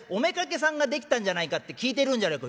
お妾さんが出来たんじゃないかって聞いてるんじゃないか」。